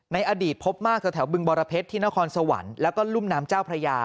ในอดีตพบมากแถวบึงบรเพชรที่นครสวรรค์แล้วก็รุ่มน้ำเจ้าพระยา